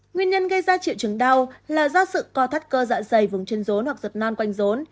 nguyên nhân gây ra triệu chứng đau là do sự co thắt cơ dạ dày vùng chân rốn hoặc rột non quanh rốn